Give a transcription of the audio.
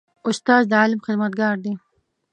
استاد د علم خدمتګار دی.